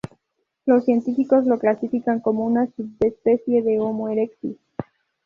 Los científicos lo clasifican como una subespecie del "Homo erectus".